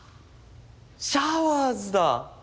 シャワーズだ。